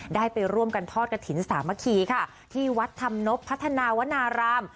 ได้ไปร่วมกันทอดกระถิ่นสามัคคีค่ะที่วัดธรรมนบพัฒนาวนาราม